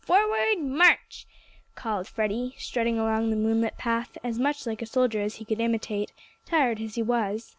"Forward march!" called Freddie, strutting along the moonlit path as much like a soldier as he could imitate, tired as he was.